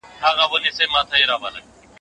هم خر له کوره، هم خربه له کوره.